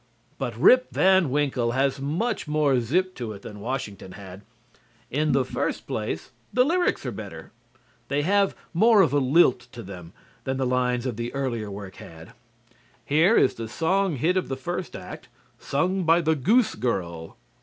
But "Rip Van Winkle" has much more zip to it than "Washington" had. In the first place, the lyrics are better. They have more of a lilt to them than the lines of the earlier work had. Here is the song hit of the first act, sung by the Goose Girl.